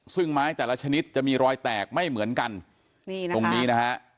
ซึ่งไม้แต่ละชนิดจะมีรอยแตกไม่เหมือนกันนี่นะตรงนี้นะฮะ